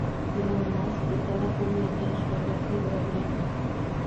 Ilon Mask «uddalab bo‘lmaydigan ishlarga qo‘l uradigan odam»